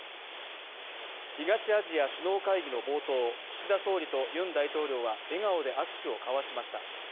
東アジア首脳会議の冒頭、岸田総理とユン大統領は笑顔で握手を交わしました。